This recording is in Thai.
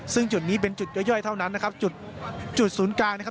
ซึ่งจุดนี้เป็นจุดย่อยเท่านั้นนะครับจุดจุดศูนย์กลางนะครับ